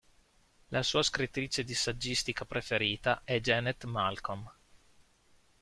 La sua scrittrice di saggistica preferita è Janet Malcolm.